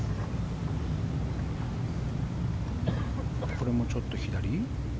これもちょっと左？